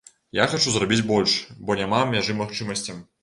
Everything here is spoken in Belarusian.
Я хачу зрабіць больш, бо няма мяжы магчымасцям.